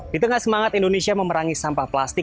di tengah semangat indonesia memerangi sampah plastik